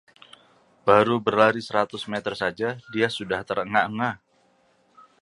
baru berlari seratus meter saja dia sudah terengah-engah